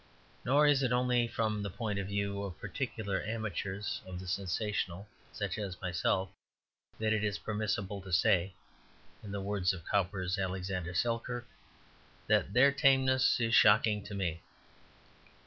Nor is it only from the point of view of particular amateurs of the sensational such as myself, that it is permissible to say, in the words of Cowper's Alexander Selkirk, that "their tameness is shocking to me."